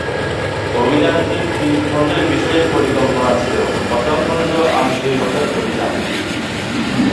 অভিধানটির তিন খন্ডের বিষয় পরিকল্পনা ছিল, প্রথম খন্ড: আঞ্চলিক ভাষার অভিধান।